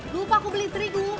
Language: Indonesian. lupa aku beli terigu